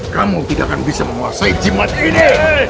kamu tidak akan bisa menguasai jimat ini